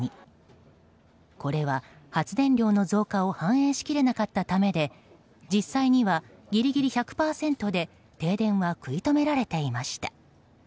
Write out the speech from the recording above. これは発電量の増加を反映しきれなかったためで実際にはギリギリ１００％で停電は食い止められていました。